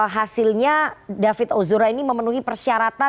hasilnya david ozora ini memenuhi persyaratan